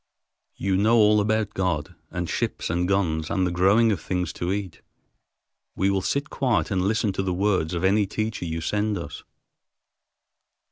You know all about God, and ships and guns and the growing of things to eat. We will sit quiet and listen to the words of any teacher you send us."